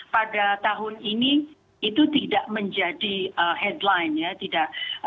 pada tahun ini itu tidak menjadi headline ya